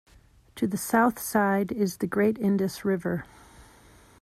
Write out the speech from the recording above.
To the south side is the great Indus River.